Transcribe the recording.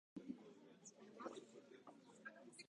私は本を読むことが好きです。